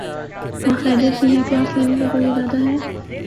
ہاں خیریت ہی ہے۔۔۔ کلاس لینے کا کوئی ارادہ ہے؟